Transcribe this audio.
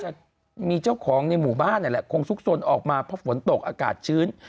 จะมีเจ้าของในหมู่บ้านนั่นแหละคงซุกสนออกมาเพราะฝนตกอากาศชื้น